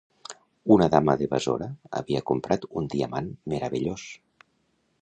Una dama de Basora havia comprat un diamant meravellós.